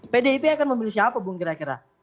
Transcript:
pdip akan memilih siapa bung kira kira